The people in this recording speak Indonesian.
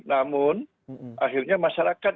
namun akhirnya masyarakat